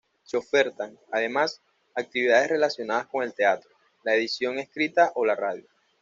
Se ofertan, además, actividades relacionadas con el teatro, la edición escrita o la radio.